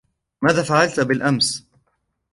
ماذا فَعَلتَ بِالأمس ؟